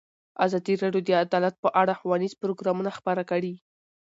ازادي راډیو د عدالت په اړه ښوونیز پروګرامونه خپاره کړي.